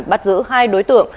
bắt giữ hai đối tượng